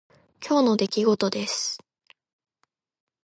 今日の出来事です。